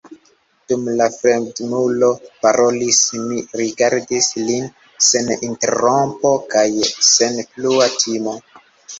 Dum la fremdulo parolis, mi rigardis lin sen interrompo kaj sen plua timo.